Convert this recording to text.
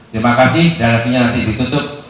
terima kasih dan hatinya nanti ditutup